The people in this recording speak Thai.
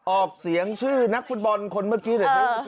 ออกเสียงชื่อนักฟุตบอลคนเมื่อกี้ละ